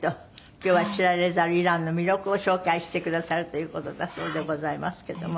今日は知られざるイランの魅力を紹介してくださるという事だそうでございますけども。